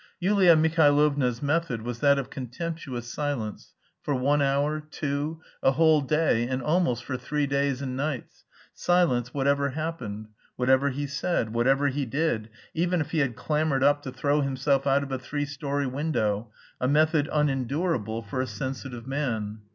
Yulia Mihailovna's method was that of contemptuous silence, for one hour, two, a whole day and almost for three days and nights silence whatever happened, whatever he said, whatever he did, even if he had clambered up to throw himself out of a three story window a method unendurable for a sensitive man!